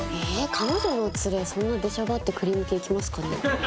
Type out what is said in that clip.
彼女の連れそんな出しゃばってクリーム系いきますかね？